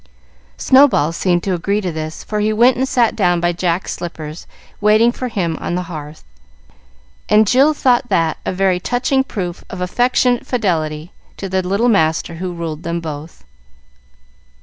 Snow ball seemed to agree to this, for he went and sat down by Jack's slippers waiting for him on the hearth, and Jill thought that a very touching proof of affectionate fidelity to the little master who ruled them both.